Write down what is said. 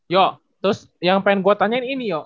yo terus yang pengen gue tanyain ini yo